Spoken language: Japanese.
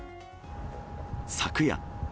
昨夜。